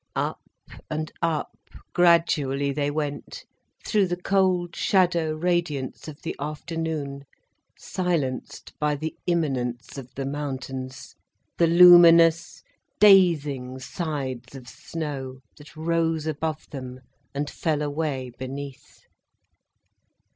Up and up, gradually they went, through the cold shadow radiance of the afternoon, silenced by the imminence of the mountains, the luminous, dazing sides of snow that rose above them and fell away beneath.